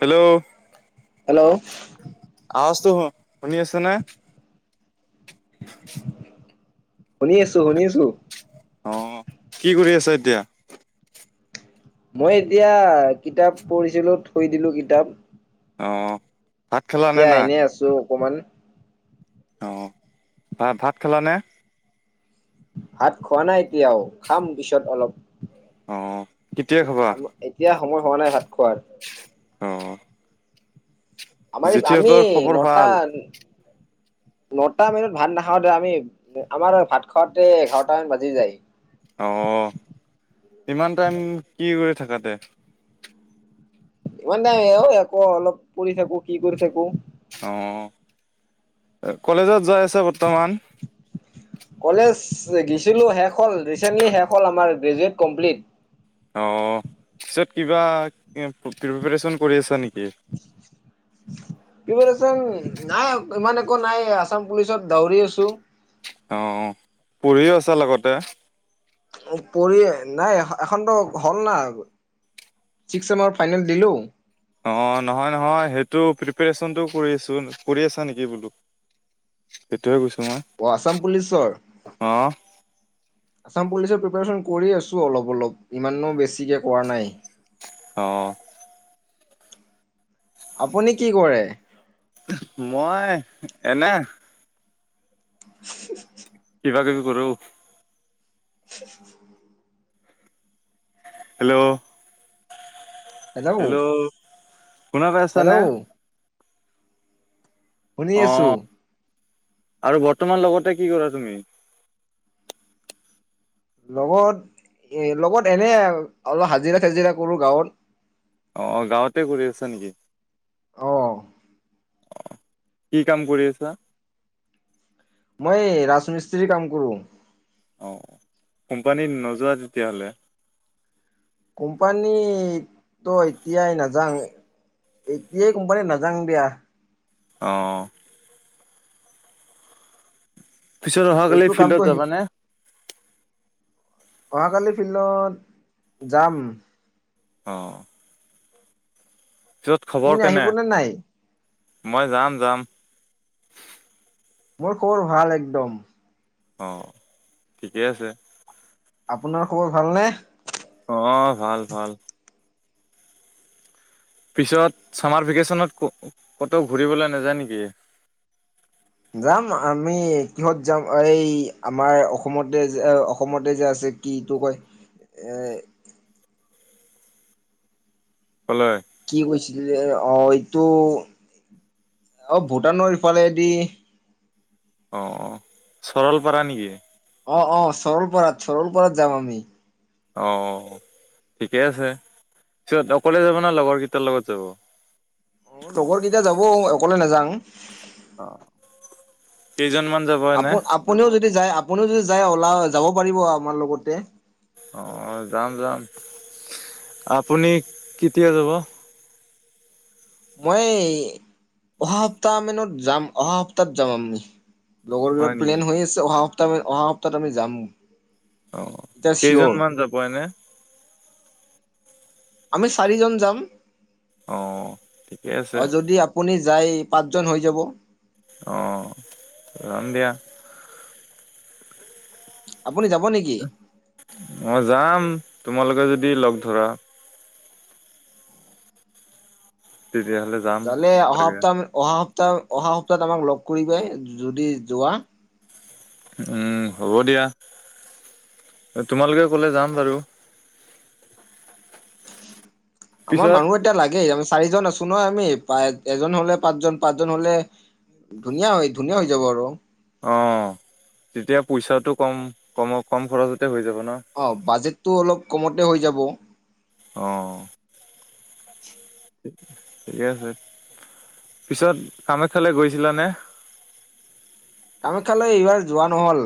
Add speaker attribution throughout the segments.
Speaker 1: Hello.
Speaker 2: Hello.
Speaker 1: আওৱাজতো শুনি আছে নে?
Speaker 2: শুনি আছো শুনি আছো।
Speaker 1: অ কি কৰি আছে এতিয়া?
Speaker 2: মই এতিয়া কিতাপ পঢ়িছিলো থৈ দিলো কিতাপ।
Speaker 1: অ অ।
Speaker 2: এতিয়া এনেই আছো অকমান।
Speaker 1: অঁ ভা ভাত খালা নে?
Speaker 2: ভাত খোৱা নাই এতিয়াও খাম পিছত অলপ।
Speaker 1: অ, কেতিয়া খাবা?
Speaker 2: এতিয়া সময় হোৱা নাই ভাত খোৱাৰ
Speaker 1: অ',
Speaker 2: আমাৰ আমি
Speaker 1: জেঠীহঁতৰ খবৰ
Speaker 2: নটা
Speaker 1: ভাল?
Speaker 2: নটা মানত ভাত নাখাও দে আমি আমাৰ ভাত খোৱাতে এঘাৰটা মান বাজি যায়।
Speaker 1: অ, ইমান টাইম কি কৰি থাকাতে?
Speaker 2: ইমান নাই অ, আকৌ অলপ পৰি থাকো কি কৰি থাকো।
Speaker 1: অ, কলেজত যাই আছে বৰ্তমান?
Speaker 2: কলেজ গেছিলো শেষ হল ৰিচেন্টলি শেষ হ'ল আমাৰ গ্ৰেজুৱেট কমপ্লিট।
Speaker 1: অ, পিছত কিবা প্ৰিপৰেচন কৰি আছা নেকি? ঠ
Speaker 2: কি কচোন নাই ইমান একো নাই আছাম পুলিচত দউৰি আছো।
Speaker 1: অ, পঢ়িও আছে লগতে।
Speaker 2: পৰি নাই এখনতো হ'ল ন। ছিক্স চেমাৰ ফাইনেল দিলো।
Speaker 1: অ, নহয় - নহয় সেইটো প্ৰিপেৰেশ্যনটো কৰি আছো কৰি আছা নেকি বোলো। সেইটোহে গৈছো।
Speaker 2: অ, আছাম পুলিচৰ?
Speaker 1: অ',
Speaker 2: আসাম পুলিচৰ প্ৰিপচন কৰি আছো অলপ - অলপ ইমানো বেছিকে কৰা নাই।
Speaker 1: অ',
Speaker 2: আপুনি কি কৰে।
Speaker 1: মই এনে
Speaker 2: [unintelligible]
Speaker 1: কিবাকিবি কৰো।
Speaker 2: [unintelligible]
Speaker 1: হেল্ল', - হেল্ল', শুনা পায় আছেনে।
Speaker 2: হেল্ল' শুনি
Speaker 1: অ
Speaker 2: আছো।
Speaker 1: আৰু বৰ্তমান লগতে কি কৰা তুমি?
Speaker 2: লগত এ লগত এনে অলপ হাজিৰা চাজিৰা কৰো গাৱত।
Speaker 1: অ, গাৱতে কৰি আছ নেকি?
Speaker 2: অহ ',
Speaker 1: অহ, কি কাম কৰি আছা?
Speaker 2: মই এই ৰাজমিস্ত্ৰী কাম কৰো।
Speaker 1: কোম্পানী নযোৱা তেতিয়লে।
Speaker 2: কোম্পানী এতিয়াই নাজাং। এতিয়াই কোম্পানী নাজাং দিয়া।
Speaker 1: অ', পিছত অহাকালি
Speaker 2: এইটো
Speaker 1: ফিল্ডত
Speaker 2: কামটো
Speaker 1: যাবানে।
Speaker 2: অহাকালি ফিল্ডত যাম।
Speaker 1: অ', য'ত খবৰ
Speaker 2: আপুনি
Speaker 1: কেনে?
Speaker 2: আহিবনে নাই
Speaker 1: মই যাম - যাম।
Speaker 2: মোৰ খবৰ ভাল একদম।
Speaker 1: অ, ঠিকেই আছে।
Speaker 2: আপোনাৰ খবৰ ভালনে?
Speaker 1: অহ, ভাল - ভাল। পিছত ছামাৰ ভেকেশ্যনত ক'তোও ঘূৰিবলৈ নাযায় নেকি?
Speaker 2: যাম আমি কিহত যাম এই আমাৰ অসমতে যে - অসমতে যে আছে কি ইটো কয় এ
Speaker 1: হলে
Speaker 2: কি কৈছিলে অ', এইটো অ', ভূটানৰ ইফালেদি
Speaker 1: অ', চৰলপাৰা নেকি?
Speaker 2: অ', - অ', চৰলপাৰাত চৰল পৰাত যাম আমি
Speaker 1: অ', ঠিকে আছে। চিত অকলে যাব না লগৰ কেইটাৰ লগত যাব?
Speaker 2: অ', লগৰ কেইটা যাব অকলে নাযাঙ।
Speaker 1: অ', কেইজনমান যাব
Speaker 2: আপু
Speaker 1: এনে
Speaker 2: আপুনিও যদি যাই আপুনি
Speaker 1: অ', যাম যাম আপুনি কেতিয়া যাব?
Speaker 2: মই অহা সপ্তাহমানত যাম অহা সপ্তাহত যাম আমি। লগৰবিলাক
Speaker 1: হয় নেকি?
Speaker 2: প্লেন হৈ আছে অহা সপ্তাহ অহা সপ্তাহত আমি যাম।
Speaker 1: অ',
Speaker 2: এতিয়া চিয়ৰ।
Speaker 1: কেইজনমান যাব এনে?
Speaker 2: আমি চাৰিজন যাম।
Speaker 1: অ', ঠিকেই আছে।
Speaker 2: যাই পাঁচজন হৈ যাব।
Speaker 1: অ', যাম দিয়া।
Speaker 2: আপুনি যাব নেকি?
Speaker 1: মই যাম তোমালোকে যদি লগ ধৰা তেতিয়াহ'লে যাম।
Speaker 2: যালে অহা
Speaker 1: তাকে
Speaker 2: সপ্তাহ অহা সপ্তাহ অহা সপ্তাহ অহা সপ্তাহত আমাক লগ কৰিবাই যদি যোৱা
Speaker 1: উম হ'ব দিয়া। তোমালোকে ক'লে যাম বাৰু
Speaker 2: আমাৰ
Speaker 1: পিছত
Speaker 2: মানুহ এতিয়া লাগে আমি চাৰিজন আছো নহয় আমি প এজন হ'লে পাঁচজন পাঁচজন হ'লে ধুনীয়া হয় ধুনীয়া হৈ যাব আৰু
Speaker 1: অ', তেতিয়া পইচাটো‌ কম-কম-কম খৰচতে হৈ যাব ন?
Speaker 2: অ', বাজেটটো অলপ কমতে হৈ যাব।
Speaker 1: অ', ঠিকে আছে। পিছত কামাখ্যালৈ গৈছিলানে?
Speaker 2: কামাখ্যালৈ এইবাৰ যোৱা নহ'ল।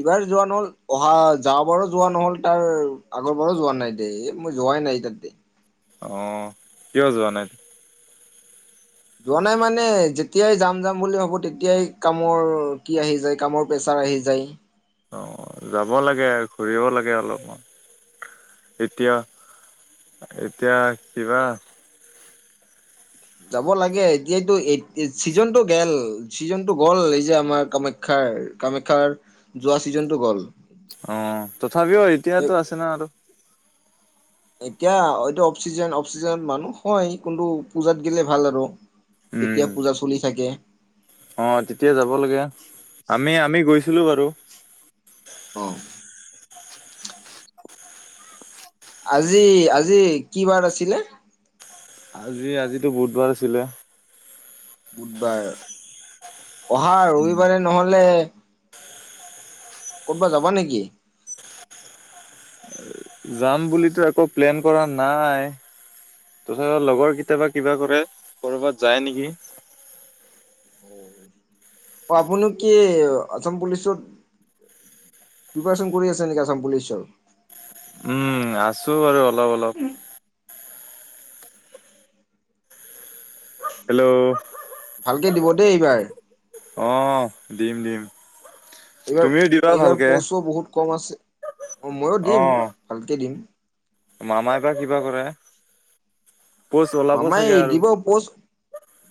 Speaker 2: এইবাৰ যোৱা নহ'ল। অহা যোৱা বাৰো যোৱা নহ'ল তাৰ আগৰ বাৰো যোৱা নাই দে মই যোৱাই নাই তা দে
Speaker 1: অ', কিয় যোৱা নাই?
Speaker 2: যোৱা নাই মানে যেতিয়াই যাম যাম বুলি ভাবো তেতিয়াই কামৰ কি আহি যায় কামৰ পেচাৰ আহি যায়
Speaker 1: অ', যাব লাগে ঘূৰিব লাগে অলপমান এতিয়া-এতিয়া কিবা
Speaker 2: যাব লাগে এতিয়াটো এই ছিজনটো গেল ছিজনটো গ'ল এই যে আমাৰ কামাখ্যাৰ কামাখ্যাৰ যোৱা ছিজনটো গ'ল।
Speaker 1: অ', তথাপিও এতিয়াতো আছে ন আৰু
Speaker 2: এতিয়া হয়টো অফ্সিজেন অফ্সিজেন মানুহ হয় কোনটো পূজাত গ'লে ভাল আৰু
Speaker 1: উম,
Speaker 2: যেতিয়া পূজা চলি থাকে
Speaker 1: অ', তেতিয়া যাব লাগে আমি-আমি গৈছিলো বাৰু।
Speaker 2: অ', আজি-আজি কি বাৰ আছিলে?
Speaker 1: আজি আজিতো বুধবাৰ আছিলে।
Speaker 2: বুধবাৰ অহা ৰবিবাৰে নহ'লে ক'তবা যাবা নেকি?
Speaker 1: যাম বুলিতো একো প্লেন কৰা নাই। তথাপিওঁ লগৰ কেতিয়াবা কিবা কৰে, ক'বাত যায় নেকি।
Speaker 2: অহ' আপুনি কি আছাম পুলিচত প্ৰিপাৰচন কৰি আছে নেকি, আাম পুলিচৰ।
Speaker 1: উম' আছো বাৰু অলপ অলপ। হেল্ল'।
Speaker 2: ভালকে দিব দেই এইবাৰ।
Speaker 1: অহ' দিম দিম।
Speaker 2: এইবাৰ,
Speaker 1: তুমিও দিবা
Speaker 2: এইবাৰ
Speaker 1: ভালকে।
Speaker 2: পচো বহুত কম আছে। অহ, ময়ো দিম
Speaker 1: অ',
Speaker 2: ভালকে দিম।
Speaker 1: মামাই বা কিবা কৰে। প'ষ্ট ওলাব
Speaker 2: মামাই
Speaker 1: চাগে আৰু।
Speaker 2: দিব পষ্ট,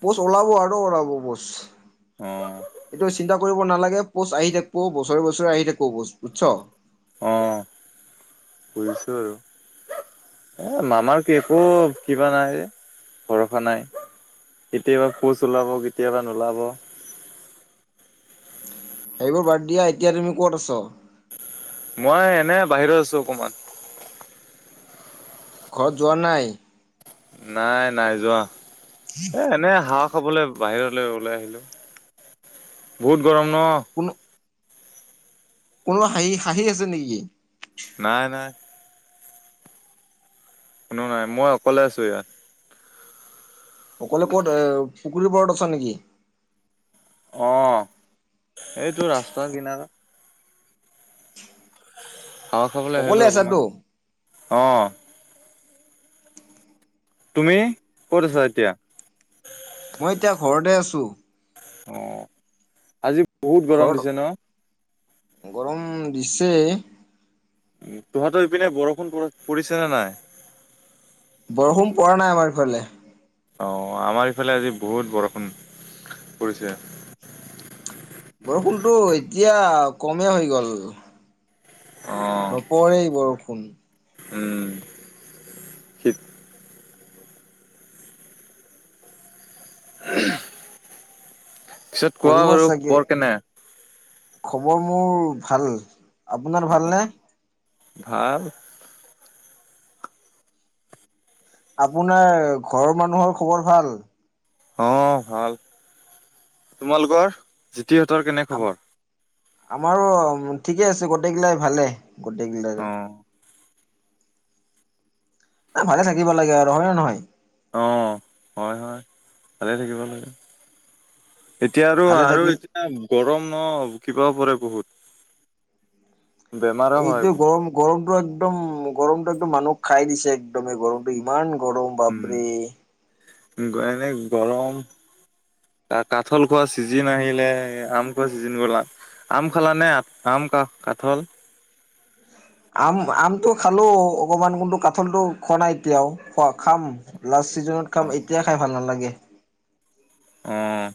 Speaker 2: পষ্ট ওলাব আৰু ওলাব পষ্ট।
Speaker 1: অ',
Speaker 2: এইটো। চিন্তা কৰিব নালাগে, পষ্ট আহি থাকিবো বছৰে বছৰে আহি থাকিব পষ্ট, বুদছ।
Speaker 1: অহ' বুজিছো আৰু। এ মামাৰ একো কিবা নাই, ভৰসা নাই। কেতিয়াবা পষ্ট ওলাব, কেতিয়াবা নোলাব।
Speaker 2: সেইবোৰ বাদ দিয়া, এতিয়া তুমি ক'ত আছ।
Speaker 1: মই এনে বাহিৰত আছো অকমান।
Speaker 2: ঘৰত যোৱা নাই।
Speaker 1: নাই নাই যোৱা। এ এনে হাহ খাবলৈ বাহিৰলৈ ওলাই আহিলোঁ। বহুত গৰম ন।
Speaker 2: কোনো কোনোবা হাঁহি, হাঁহি আছে নেকি?
Speaker 1: নাই নাই। কোনো নাই মই অকলে আছো ইয়াত।
Speaker 2: অকলে ক'ত এ পুখুৰীৰ পৰাৰত আছা নেকি?
Speaker 1: অহ' এইটো ৰাস্তা কিনাৰত। হাৱা খাবলৈ
Speaker 2: অকলে
Speaker 1: আহিলো
Speaker 2: আছাতো
Speaker 1: অকমান, অহ। তুমি ক'ত আছা এতিয়া?
Speaker 2: মই এতিয়া ঘৰতে আছোঁ।
Speaker 1: অহ' আজি বহুত গৰম
Speaker 2: ঘৰত
Speaker 1: দিছে ন।
Speaker 2: গৰম দিছে।
Speaker 1: উম' তহঁতৰ ইপিনে বৰষুণ পৰিছে নে নাই।
Speaker 2: বৰষুণ পৰা নাই আমাৰ ইফালে।
Speaker 1: অহ' আমাৰ ইফালে আজি বহুত বৰষুণ পৰিছে।
Speaker 2: বৰষুণটো এতিয়া কমে হৈ গ'ল।
Speaker 1: অ',
Speaker 2: নপৰেই বৰষুণ।
Speaker 1: উম' শীত পিছত কোৱা
Speaker 2: পৰিব
Speaker 1: বাৰু।
Speaker 2: চাগে
Speaker 1: খবৰ কেনে?
Speaker 2: খবৰ মোৰ ভাল। আপোনাৰ ভালনে?
Speaker 1: ভাল।
Speaker 2: আপোনাৰ ঘৰৰ মানুহৰ খবৰ ভাল।
Speaker 1: অহ' ভাল। তোমালোকৰ জিতিহঁতৰ কেনে
Speaker 2: আম
Speaker 1: খবৰ?
Speaker 2: আমাৰো ঠিকে আছে। গোটেইগিলাই ভালে গোটেইগিলাৰে।
Speaker 1: অ',
Speaker 2: এ ভালে থাকিব লাগে আৰু হয় নে নহয়।
Speaker 1: অহ' হয় হয়। ভালেই থাকিব লাগে। এতিয়া আৰু,
Speaker 2: ভালে
Speaker 1: আৰু
Speaker 2: থাকিল
Speaker 1: এতিয়া গৰম ন কিবা পৰে। বহুত। বেমাৰো হয়
Speaker 2: এইটোয
Speaker 1: বহুত।
Speaker 2: গৰম গৰমতটো একদম গৰমতটো একদম মানুহ খাই দিছে, একদমেই গৰমটো ইমান গৰম বাপৰে।
Speaker 1: এনেই গৰম। ত' কাঠল খোৱা চিজিন আহিলে, আম খোৱা চিজিন বলা আম খালাানে? আম, কা, কাঠল।
Speaker 2: আম, আমটো খালোঁ অকণমান। কিন্তু কাঠলটো খোৱা নাই এতিয়াও, খোৱা, খাম লাষ্ট ছিজনত খাম। এতিয়াই খাই ভাল নালাগে।
Speaker 1: উম।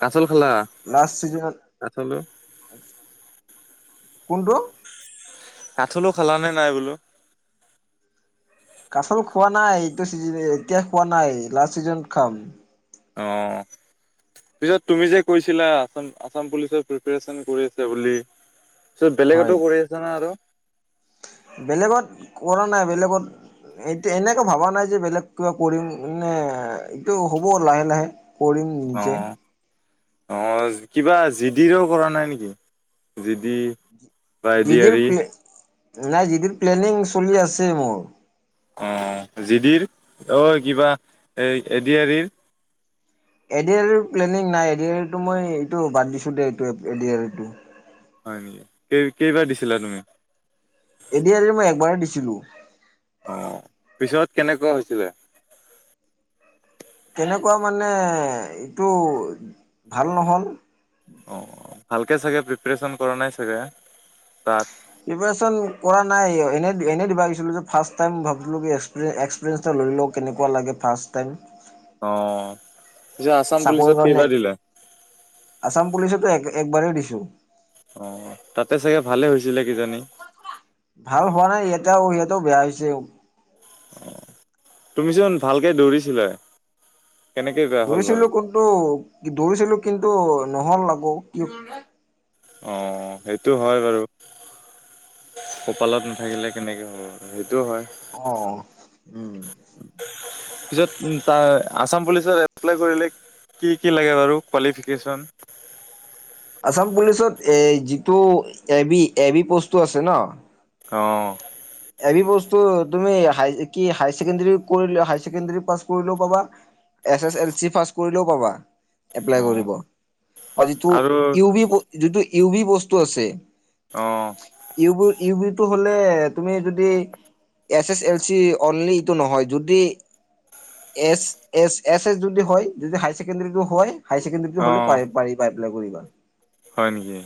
Speaker 1: [unintelligible] [unintelligible] খালা?
Speaker 2: লাষ্ট চিজনত
Speaker 1: [unintelligible]
Speaker 2: কোনটো?
Speaker 1: কাঠলো খালা নে নাই বোলো?
Speaker 2: কাঠল খোৱা নাই, এইটো চিজন। এতিয়া খোৱা নাই। লাষ্ট চিজনত খাম।
Speaker 1: অ'। পিছত তুমি যে কৈছিলা, আচাম, আচাম পুলিচৰ প্ৰিপেৰেচন কৰি আছে বুলি। সো,
Speaker 2: হয়
Speaker 1: বেলেগতো কৰি আছা না আৰু?
Speaker 2: বেলেগত, কৰা নাই। বেলেগত ও, এতিয়া এনেকে ভবা নাই যে, বেলেগ কিবা কৰিম নে? এইটো হ'ব লাহে লাহে। কৰিম নিজে।
Speaker 1: অ', অ', কিবা জি ডিৰেো কৰা নাই নেকি? জি ডি বা এডি
Speaker 2: দিদিৰ
Speaker 1: এৰি।
Speaker 2: নাই দিদিৰ প্লানিং চলি আছে মোৰ।
Speaker 1: অ' জিডিৰ অ' কিবা তই এ এড এৰি।
Speaker 2: এডি আৰ প্লেনিং নাই এ আৰটো মই এইটো বাদ দিছো দে এটো।
Speaker 1: হয় নেকি? কেই কেইবাৰ দিছিলা তুমি?
Speaker 2: এডি আৰু মই একবাৰেই দিছিলো।
Speaker 1: অ' পিছত কেনেকুৱা হৈছিলে?
Speaker 2: তেনেকুৱা মানে এইটো ভাল নহ'ল।
Speaker 1: অ' ভালকে চাগে প্ৰিপৰেচন কৰা নাই চাগে তাত
Speaker 2: প্ৰিপৰে্যন কৰা নাই এনে এনে দিবাাগিছিলো যে ফাৰ্ষ্ট টাইম ভাবো কি এক্সপিৰিয়েঞ্চৰ লৰি লও কেনেকুৱা লাগে ফাৰ্ষ্ট টাইম।
Speaker 1: অ'। পিছে আছাম
Speaker 2: চাকৰিৰ
Speaker 1: পুলিচত
Speaker 2: কাৰণে?
Speaker 1: কেইবাৰ দিলা?
Speaker 2: আছাম পুলিচতো এক একবাৰেই দিছো।
Speaker 1: অ' তাতে চাগে ভালে হৈছিলে কিজানি।
Speaker 2: ভাল হোৱা নাই ইয়াতেও সিয়াতেও বেয়া হৈছে।
Speaker 1: অ' তুমিচোন ভালকে দৌৰিছিলা। কেনেকে বেয়া হ'ল বাৰু?
Speaker 2: দৌৰিছিলো কিন্তু দৌৰিছিলো কিন্তু নহল আাগৌ কি
Speaker 1: অ' সেইটো হয় বাৰু। কপালত নাথাকিলে কেনেকে হ'ব সেই
Speaker 2: অ' উম।
Speaker 1: পিছত ত আছাম পুলিচত এপ্লাই কৰিলে? কি কি লাগে বাৰু কোৱালিফিকেশ্যন?
Speaker 2: আছাম পুলিচত এই যিটো এ এ বি পস্তু আছে ন।
Speaker 1: অ'।
Speaker 2: এবি বস্তু তুমি কি হ ছেকেণ্ডৰী কৰিলে হ ছেকেণ্ডাৰী পাছ কৰিলেও পাবা। S S L C pass কৰিলেও পাবা। এপলাই
Speaker 1: অ
Speaker 2: কৰিব আৰু যিটো ই বি যিটো ই বি বস্তু আছে।
Speaker 1: অ
Speaker 2: ই বি ইউ বিটো হলে তুমি যদি S S L C only এইটো নহয় যদি এ এ এ এছ যদি হয় যদি হাই ছেকেণ্ডাৰী য হয়। হাই ছেকেণ্ডাৰী
Speaker 1: অ
Speaker 2: হলে পাৰিব পপাই কৰিবা।
Speaker 1: হয় নেকি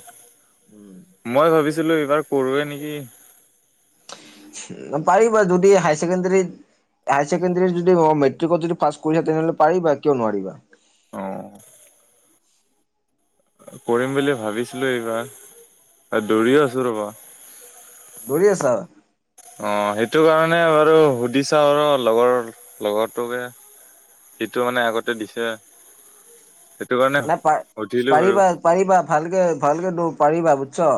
Speaker 1: মই ভাবিছিলো এইবাৰ কৰোৱে নেকি।
Speaker 2: পাৰিবা যদি হাই ছেকেণ্ডৰীত হায়াৰ ছেকেণ্ডাৰী যদি মেট্ৰিকত যদি পাছ কৰিছা তেনেহলে পাৰিবা। কিয় নোৱাৰিবা?
Speaker 1: অ'। কৰিম বুলি ভাবিছিলো এইবাৰ আৰু দৌৰিও আছো ৰ'বা।
Speaker 2: দৌৰি আছা?
Speaker 1: অ' সেইটো কাৰণে বাৰু সুধিছা আৰু লগৰ লগৰটোকে। সিটো মানে আগতে দিছে। কাৰণে
Speaker 2: ন প
Speaker 1: সুধিলো বাৰু
Speaker 2: পাৰিবা পাৰিবা ভালকে ভালকে পাৰিবা বুজছ।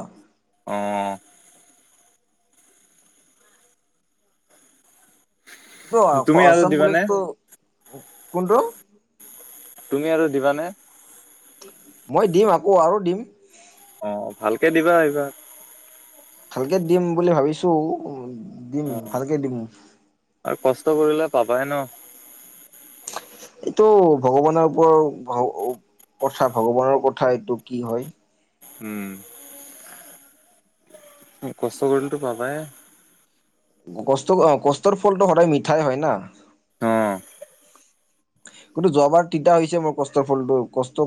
Speaker 1: অ'।
Speaker 2: কোনটো
Speaker 1: তুমি আৰু
Speaker 2: আছাম
Speaker 1: দিবানে
Speaker 2: পুলিচটো? কোনটো?
Speaker 1: তুমি আৰু দিবানে?
Speaker 2: মই দিম আকৌ আৰু দিম।
Speaker 1: অ' ভালকে দিবা আহিবা।
Speaker 2: ভালকে দিম বুলি ভাবিছো দিম
Speaker 1: অ
Speaker 2: ভালকে দিম।
Speaker 1: আৰু কষ্ট কৰিলে পাবাই ন।
Speaker 2: এইটো ভগৱানৰ ওপৰত ব ও কথা ভগৱানৰ কথা এইটো কি হয়।
Speaker 1: উম। কষ্ট কৰিলেতো পাবাই।
Speaker 2: কষ্ট কৰা, কষ্টৰ ফলটো সদায় মিঠাই হয় না।
Speaker 1: অ
Speaker 2: কিন্তু যোৱা বাৰ তিতা হৈছে মোৰ কষ্টৰ ফলটো কষ্ট